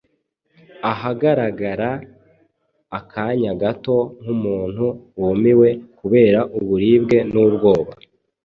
Ahagarara akanya gato nk’umuntu wumiwe kubera uburibwe n’ubwoba.